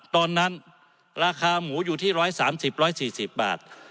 ตอนนั้นราคาหมูอยู่ที่๑๓๐๑๔๐บาท